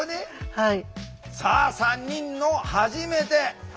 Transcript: はい。